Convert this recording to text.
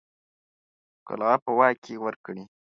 قلعه په واک کې ورکړي.